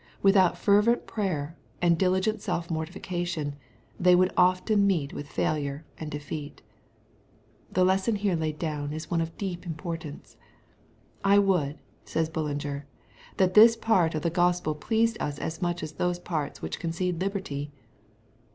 Without fervent prayer, and diligent self mortification, they would often meet with failure and defeat. The lesson here laid down is one of deep importance. '* I would," says BuUinger, " that this part of the Gospel pleased us as much as those parts which concede liberty.'